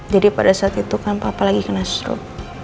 jadi pada saat itu kan papa lagi kena srup